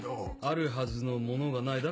あるはずのものがない。